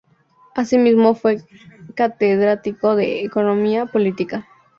Asimismo fue catedrático de Economía Política.